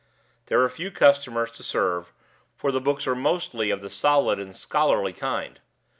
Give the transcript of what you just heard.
There were few customers to serve, for the books were mostly of the solid and scholarly kind.